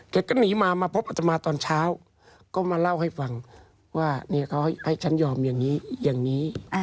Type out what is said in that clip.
ก็หนีมามาพบอัตมาตอนเช้าก็มาเล่าให้ฟังว่าเขาให้ฉันยอมอย่างนี้อย่างนี้